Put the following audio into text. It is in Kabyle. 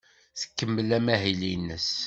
Tkemmel amahil-nnes.